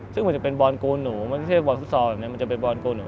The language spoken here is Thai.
ซึ่งมันจะเป็นบอลโกนหนูมันไม่ใช่บอลฟุตซอลแบบนี้มันจะเป็นบอลโกนหนู